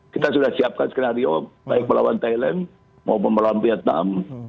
kita sudah siapkan skenario baik melawan thailand maupun melawan vietnam